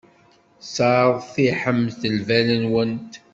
Sseṛtiḥemt lbal-nwent.